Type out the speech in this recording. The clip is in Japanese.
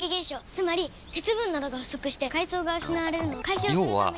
つまり鉄分などが不足して藻が失われるのを解消するためにつだけだよ